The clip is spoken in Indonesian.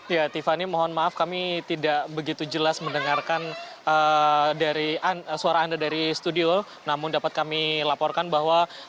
ya tiffany mohon maaf kami tidak begitu jelas mendengarkan suara anda dari studio namun dapat kami laporkan bahwa